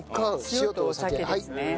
塩とお酒ですね。